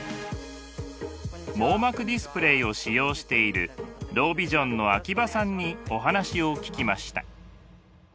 網膜ディスプレイを使用しているロービジョンの秋葉さんにお話を聞きました。